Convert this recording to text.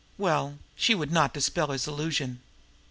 Well, she would not dispel his illusion!